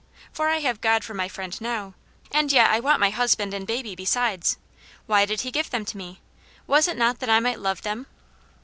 For I have God for my Friend now ; and yet I want my husband and baby, besides. Why did He give them to me ? Was it not that I might love them